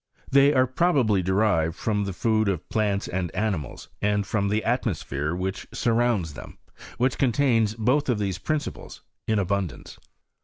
They" Are probably derived' from the food of plants and animals, and from the atmosphere which surrounds them, and which contains both of these principles m abundance.